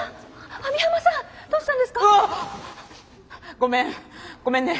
ごめんごめんね。